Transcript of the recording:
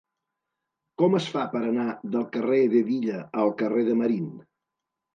Com es fa per anar del carrer d'Hedilla al carrer de Marín?